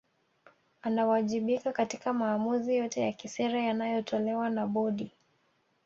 Anawajibika katika maamuzi yote ya kisera yanayotolewa na Bodi